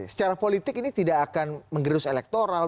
secara politik ini tidak akan mengerus elektoral